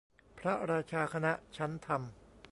พระราชาคณะชั้นธรรม